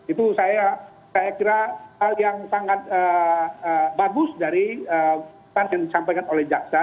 itu saya kira hal yang sangat bagus dari yang disampaikan oleh jaksa